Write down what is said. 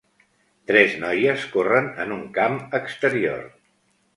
Tres noies corren en un camp exterior.